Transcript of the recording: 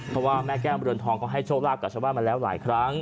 เพราะว่าแม่แก้มเรือนทองก็ให้โชคลาภกับชาวบ้านมาแล้วหลายครั้ง